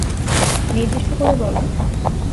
নির্দিষ্ট করে বলো।